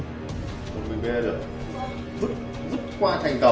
một người bé được giúp qua thanh cầu